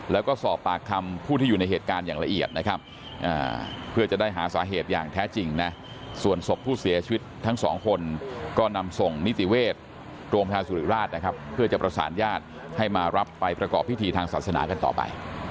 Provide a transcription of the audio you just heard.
แล้วก็สอบปากคำผู้ที่อยู่ในเหตุการณ์อย่างละเอียดนะครับเพื่อจะได้หาสาเหตุอย่างแท้จริงนะ